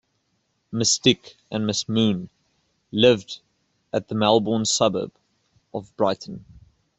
Miss Dick and Miss Moon lived at the Melbourne suburb of Brighton.